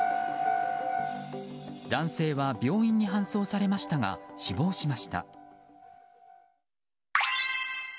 男性は病院に搬送されましたが死亡しました。